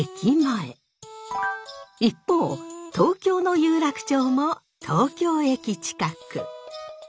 一方東京の有楽町も東京駅近く。